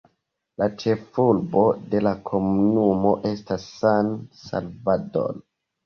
La ĉefurbo de la komunumo estas San Salvador.